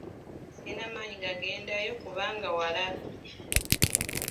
sirina maanyi gagendayo kubanga wala.